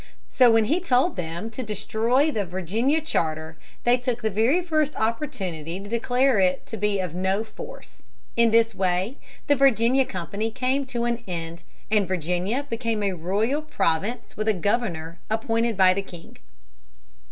So when he told them to destroy the Virginia charter they took the very first opportunity to declare it to be of no force. In this way the Virginia Company came to an end, and Virginia became a royal province with a governor appointed by the king.